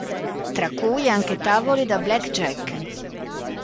Tra cui anche tavoli da blackjack.